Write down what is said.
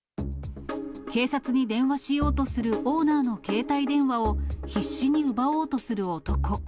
警察に電話しようとするオーナーの携帯電話を、必死に奪おうとする男。